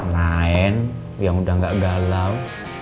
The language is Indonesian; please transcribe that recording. main yang udah nggak galau